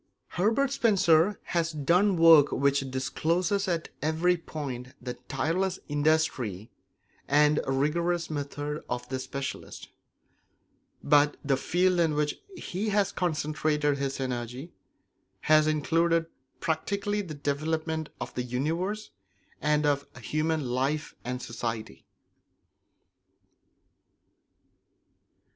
Herbert Spencer has done work which discloses at every point the tireless industry and rigorous method of the specialist; but the field in which he has concentrated his energy has included practically the development of the universe and of human life and society.